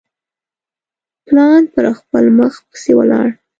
پلان پر خپل مخ پسي ولاړ.